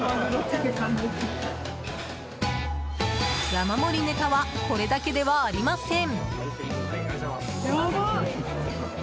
山盛りネタはこれだけではありません。